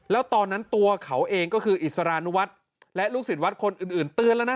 แล้วตอนนั้นตัวเขาเองก็คืออิสรานุวัฒน์และลูกศิษย์วัดคนอื่นเตือนแล้วนะ